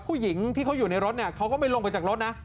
ผู้หญิงที่เขาอยู่ในรถเนี่ยเขาก็ไม่ลงไปจากรถนะ